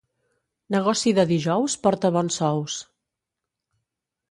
Negoci de dijous porta bons sous.